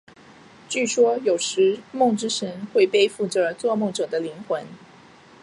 据说有时梦之神会背负着做梦者的灵魂。